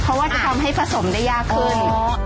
เพราะว่าจะทำให้ผสมได้ยากขึ้น